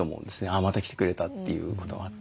あまた来てくれたということがあって。